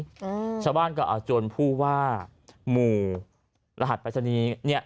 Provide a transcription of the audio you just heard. อืมชาวบ้านก็เอาจนผู้ว่าหมู่รหัสปริศนีย์เนี้ย